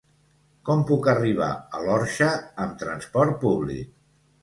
Com puc arribar a l'Orxa amb transport públic?